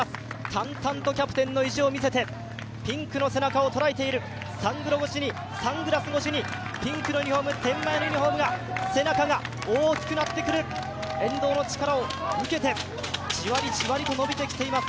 たんたんとキャプテンの意地を見せて、ピンクの背中を捉えているサングラス越しにピンクの天満屋のユニフォームが、背中が、大きくなってくる、沿道の力を受けてじわりじわりと伸びてきています。